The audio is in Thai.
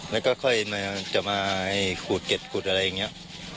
แล้วก็ค่อยจะมาขูดเก็ดขูดอะไรอย่างนี้